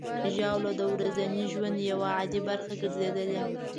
ژاوله د ورځني ژوند یوه عادي برخه ګرځېدلې.